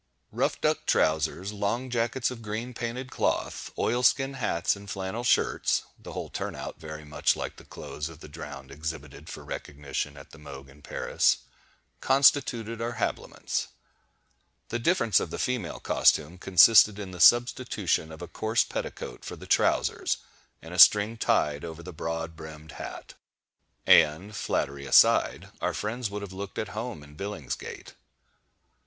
Rough duck trowsers, long jackets of green painted cloth, oil skin hats, and flannel shirts,—the whole turn out very much like the clothes of the drowned exhibited for recognition at the Moague in Paris,—constituted our habiliments. The difference of the female costume consisted in the substitution of a coarse petticoat for the trowsers, and a string tied over the broad brimmed hat;—and, flattery aside, our friends would have looked at home in Billingsgate.